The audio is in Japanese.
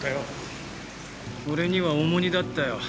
俺には重荷だったよ。